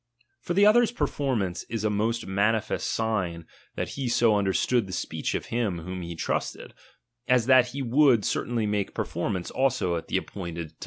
For the other's performance is a most manifest sign that he so understood the speech of him whom he trusted, as that he would certainly make performance also at the appointed LIBERTY.